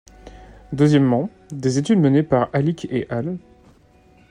Deuxièmement, des études menées par Alicke et al.